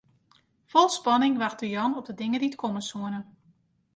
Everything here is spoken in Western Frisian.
Fol spanning wachte Jan op de dingen dy't komme soene.